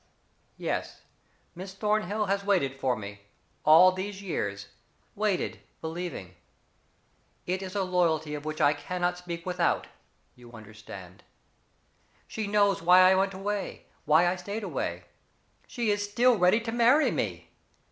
Yes, Miss Thornhill has waited for me all these years waited, believing. It is a loyalty of which I can not speak without you understand. She knows why I went away why I stayed away. She is still ready to marry me.